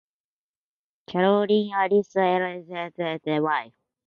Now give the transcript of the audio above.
Caroline Alice Elgar, Elgar's wife.